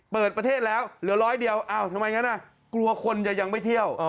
เปิดประเทศแล้วเหลือร้อยเดียวอ้าวทำไมงั้นกลัวคนจะยังไม่เที่ยว